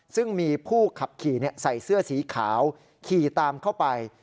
ซึ่งมีผู้ขับขี่ใส่เสื้อสีขาวขี่ตามเข้าไป